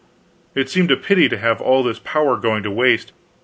It seemed a pity to have all this power going to waste.